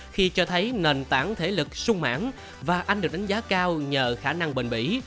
khi cho thấy nền tảng thể lực sung mãng và anh được đánh giá cao nhờ khả năng bền bỉ